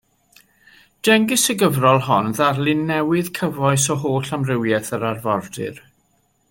Dengys y gyfrol hon ddarlun newydd, cyfoes o holl amrywiaeth yr arfordir.